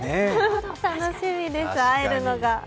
楽しみです、会えるのが。